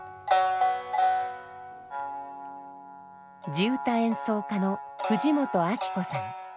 地唄演奏家の藤本昭子さん。